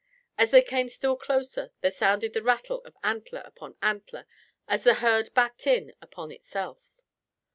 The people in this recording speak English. As they came still closer there sounded the rattle of antler upon antler as the herd backed in upon itself.